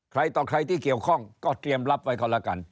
ต่อใครที่เกี่ยวข้องก็เตรียมรับไว้ก่อนแล้วกัน